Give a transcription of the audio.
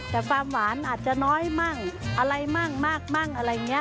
แต่ความหวานอาจจะน้อยมั่งอะไรมั่งมากมั่งอะไรอย่างนี้